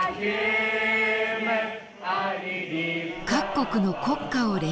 各国の国歌を練習。